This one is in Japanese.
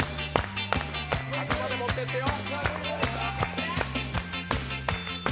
墓まで持っていってよ。